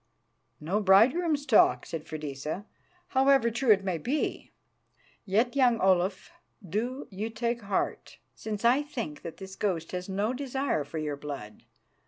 "No bridegroom's talk," said Freydisa, "however true it may be. Yet, young Olaf, do you take heart, since I think that this ghost has no desire for your blood.